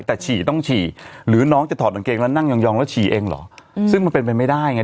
แต่ฉี่ต้องฉี่หรือน้องจะถอดกางเกงแล้วนั่งยองแล้วฉี่เองเหรอซึ่งมันเป็นไปไม่ได้ไง